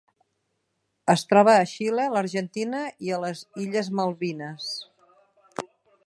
Es troba a Xile, l'Argentina i les Illes Malvines.